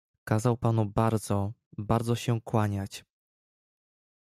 "Kazał panu bardzo, bardzo się kłaniać."